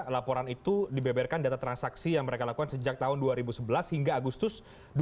laporan itu dibeberkan data transaksi yang mereka lakukan sejak tahun dua ribu sebelas hingga agustus dua ribu dua puluh